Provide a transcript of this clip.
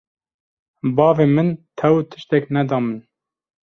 bavê min tew tiştek ne da min